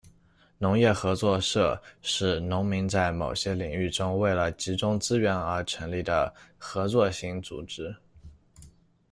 农业合作社，是农民在某些领域中为了集中资源而成立的合作型组织。